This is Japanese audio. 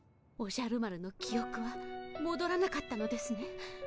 おじゃる丸の記おくはもどらなかったのですね？